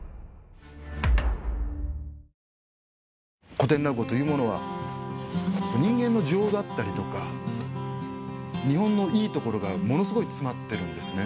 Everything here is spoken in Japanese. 古典落語というものは人間の情だったりとか日本のいいところがものすごい詰まってるんですね。